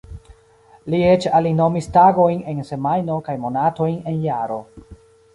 Li eĉ alinomis tagojn en semajno kaj monatojn en jaro.